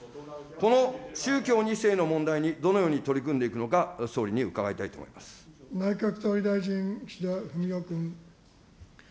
この宗教２世の問題に、どのように取り組んでいくのか、総理に伺内閣総理大臣、岸田文雄君。